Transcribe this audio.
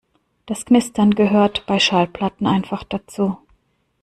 Das Knistern gehört bei Schallplatten einfach dazu.